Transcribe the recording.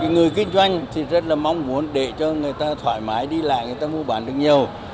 người kinh doanh thì rất là mong muốn để cho người ta thoải mái đi lại người ta mua bán được nhiều